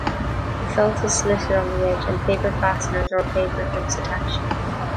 The felt is slitted on the edge, and paper fasteners or paper clips attached.